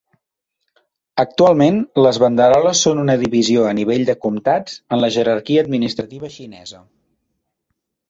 Actualment, les banderoles són una divisió a nivell de comtats en la jerarquia administrativa xinesa.